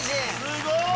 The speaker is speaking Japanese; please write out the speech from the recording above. すごい！